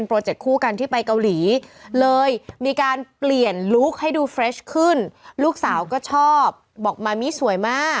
น้างกินครีนแบบเห็นบ้านนะ